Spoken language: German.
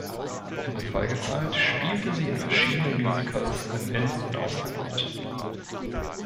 In der Folgezeit spielte sie in verschiedenen Musicals im In- und Ausland mit.